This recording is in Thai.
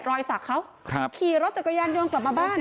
รอยสักเขาขี่รถจักรยานยนต์กลับมาบ้าน